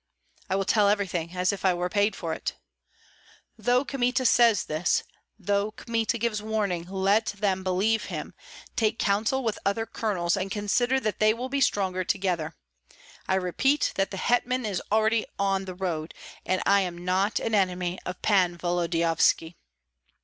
"I will tell everything, as if I were paid for it." "Though Kmita says this, though Kmita gives warning, let them believe him, take counsel with other colonels, and consider that they will be stronger together. I repeat that the hetman is already on the road, and I am not an enemy of Pan Volodyovski."